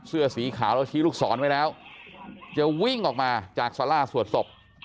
เสื้อสีขาวแล้วชี้ลูกศรไว้แล้วจะวิ่งออกมาจากสาราสวดศพ